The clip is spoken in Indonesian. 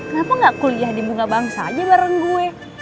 kenapa gak kuliah di bunga bangsa aja bareng gue